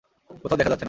কোথাও দেখা যাচ্ছে না।